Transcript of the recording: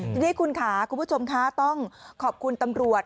ทีนี้คุณค่ะคุณผู้ชมคะต้องขอบคุณตำรวจ